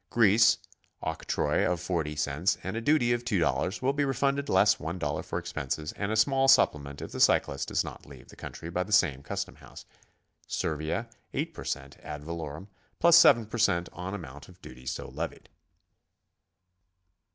Greece, octroi of 40 cents and a duty of $2; will be refunded less $i for expenses and a small supplement if the cyclist does not leave the country by the same custom house. Servia, 8 per cent, ad valorem, plus 7 per cent, on amount of duty so levied.